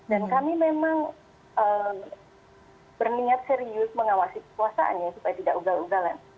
dan kami memang berniat serius mengawasi kepuasaannya supaya tidak ugal ugalan